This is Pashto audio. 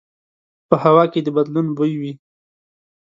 په هوا کې د بدلون بوی وي